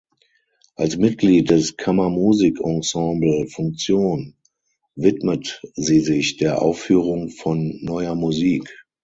Als Mitglied des Kammermusikensemble "Funktion" widmet sie sich der Aufführung von Neuer Musik.